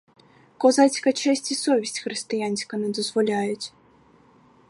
Козацька честь і совість християнська не дозволяють.